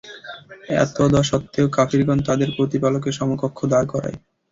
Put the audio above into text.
এতদসত্ত্বেও কাফিরগণ তাদের প্রতিপালকের সমকক্ষ দাঁড় করায়।